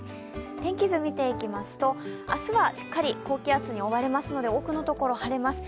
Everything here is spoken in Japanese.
天気図を見ていきますと明日はしっかり高気圧に覆われますので多くのところ、晴れます。